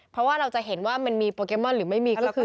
เพราะว่าเราจะเห็นว่ามันมีโปเกมอนหรือไม่มีก็คือ